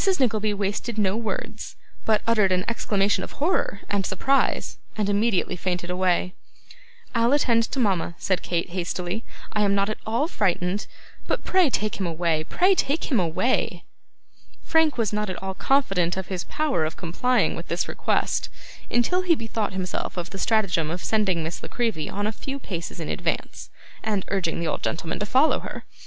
Nickleby wasted no words, but uttered an exclamation of horror and surprise, and immediately fainted away. 'I'll attend to mama,' said Kate, hastily; 'I am not at all frightened. But pray take him away: pray take him away!' Frank was not at all confident of his power of complying with this request, until he bethought himself of the stratagem of sending Miss La Creevy on a few paces in advance, and urging the old gentleman to follow her.